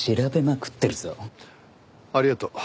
ありがとう。